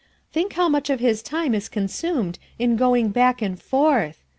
Think how much of his time is consumed in going back ami forth